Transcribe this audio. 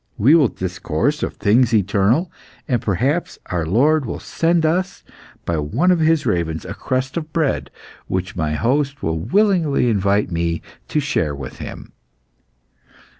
We will discourse of things eternal, and perhaps our Lord will send us, by one of His ravens, a crust of bread, which my host will willingly invite me to share with him."